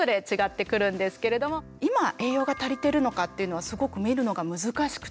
今栄養が足りてるのかっていうのはすごく見るのが難しくて。